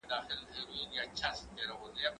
زه اجازه لرم چي امادګي ونيسم!؟